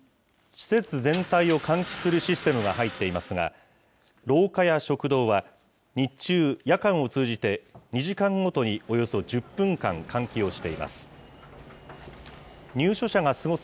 施設全体を換気するシステムが入っていますが、廊下や食堂は日中、夜間を通じて、２時間ごとにおよそ１０分間換気をしています。